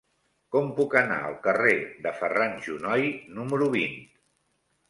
Com puc anar al carrer de Ferran Junoy número vint?